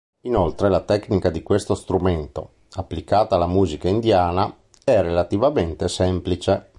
Inoltre la tecnica di questo strumento, applicata alla musica indiana, è relativamente semplice.